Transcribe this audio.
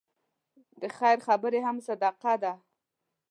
د خیر خبرې هم صدقه ده.